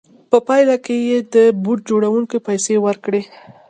په پایله کې یې د بوټ جوړوونکي پیسې ورکړې